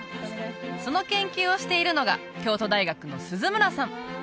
その研究をしているのが京都大学の鈴村さん